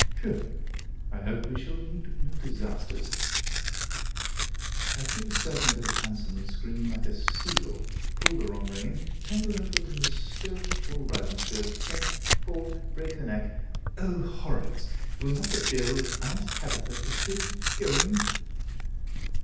Whew! I hope we shall meet with no disasters! I feel certain Little Handsome would scream like a sea gull, pull the wrong rein, tangle her foot in the stirrup or riding skirt, faint, fall, break her neck O horrors! Will not the dear old Aunt Tabitha forbid her going?